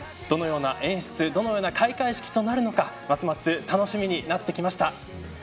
どのような演出どのような開会式となるのかますます楽しみになってきました。